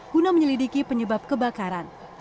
guna menyelidiki penyebab kebakaran